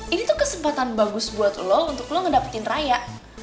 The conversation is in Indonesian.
ini tuh kesempatan bagus buat lo untuk lo ngedapetin raya